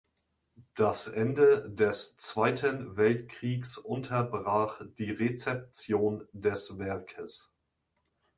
Das Ende des Zweiten Weltkriegs unterbrach die Rezeption des Werkes.